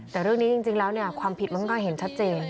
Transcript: แต่เรื่องนี้จริงแล้วความผิดมันก็เห็นชัดเจน